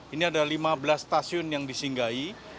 ini ada lima belas stasiun yang disinggahi